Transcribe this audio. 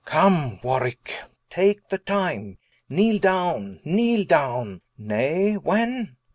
Come Warwicke, Take the time, kneele downe, kneele downe: Nay when?